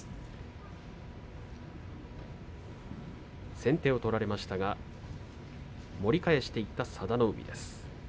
先手を取られましたが盛り返していった佐田の海です。